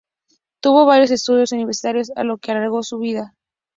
Tuvo varios estudios universitarios a lo largo de su vida.